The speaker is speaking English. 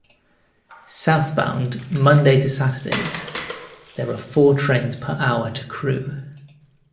Southbound Monday to Saturdays there are four trains per hour to Crewe.